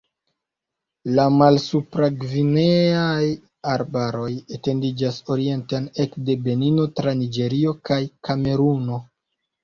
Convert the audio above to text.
La malsupra-gvineaj arbaroj etendiĝas orienten ekde Benino tra Niĝerio kaj Kameruno.